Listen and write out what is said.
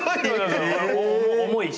重いし。